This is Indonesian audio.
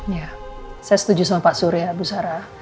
ya saya setuju sama pak surya bu sarah